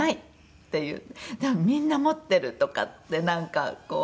「でもみんな持ってる」とかってなんかこう。